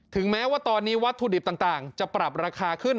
แม้ว่าตอนนี้วัตถุดิบต่างจะปรับราคาขึ้น